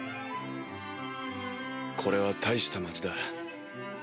これは大した町だ。